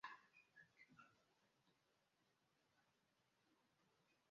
Umugabo wambaye imyenda yumukara gitari yumukara